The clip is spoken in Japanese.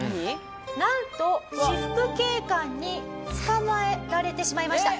なんと私服警官に捕まえられてしまいました。